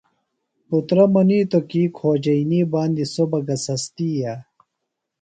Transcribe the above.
پُترہ منِیتوۡ کی کھوجئینی باندی سوۡ بہ گہ سستیئے؟